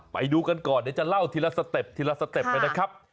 ไปดูกันก่อนเดี๋ยวจะเล่าทีละสเต็ปทีละสเต็ปเลยนะครับ